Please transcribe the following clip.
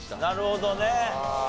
なるほどね。